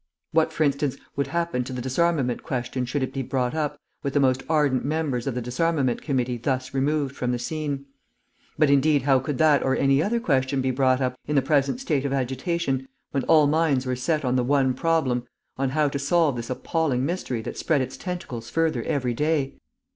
What, for instance, would happen to the disarmament question should it be brought up, with the most ardent members of the disarmament committee thus removed from the scene? But, indeed, how could that or any other question be brought up, in the present state of agitation, when all minds were set on the one problem, on how to solve this appalling mystery that spread its tentacles further every day?